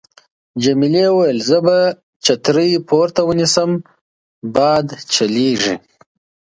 جميلې وويل:: زه به چترۍ پورته ونیسم، باد چلېږي.